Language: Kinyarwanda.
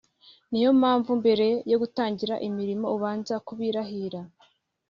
Ni yo mpamvu mbere yo gutangira imirimo abanza kubirahirira